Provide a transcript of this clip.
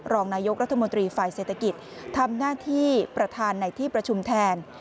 รองนายกรัฐมนตรีฝ่ายเศรษฐกิจทำหน้าที่ประธานในที่ประชุมแทน